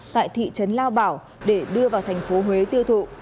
tại thị trấn lao bảo để đưa vào thành phố huế tiêu thụ